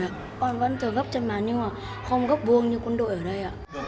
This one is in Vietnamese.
con vẫn thường gấp chân màn nhưng mà không gấp buông như quân đội ở đây